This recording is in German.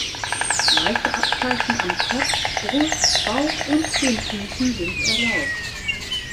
Weiße Abzeichen am Kopf, Brust, Bauch und den Füßen sind erlaubt.